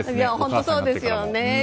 本当にそうですよね。